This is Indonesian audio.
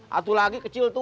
satu lagi kecil tua